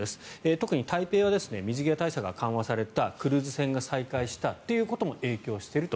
特に台北は水際対策が緩和されたクルーズ船が再開したということも影響していると。